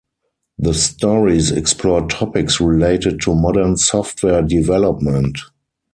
The stories explore topics related to modern software development.